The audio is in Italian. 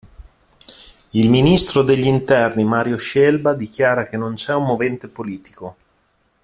Il ministro degli interni Mario Scelba dichiara che non c'è un movente politico.